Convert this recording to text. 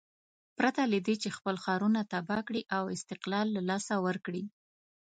پرته له دې چې خپل ښارونه تباه کړي او استقلال له لاسه ورکړي.